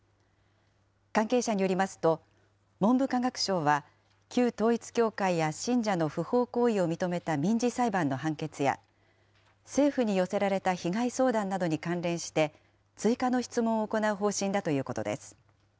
関係者によりますと、文部科学省は旧統一教会や信者の不法行為を認めた民事裁判の判決や、政府に寄せられた被害相談などに関連して、追加の質問を行う方針だということです。